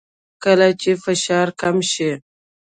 کله چې فشار کم شي